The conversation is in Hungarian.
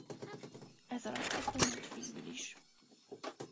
Ezalatt megtanult finnül is.